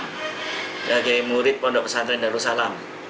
sebagai murid pondok pesantren darussalam